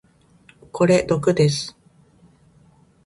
これ毒です。